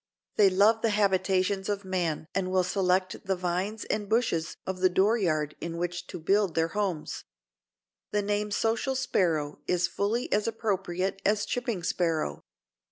They love the habitations of man and will select the vines and bushes of the door yard in which to build their homes. The name Social Sparrow is fully as appropriate as Chipping Sparrow.